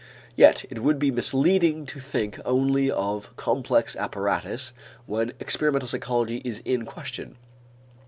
Yet it would be misleading to think only of complex apparatus when experimental psychology is in question.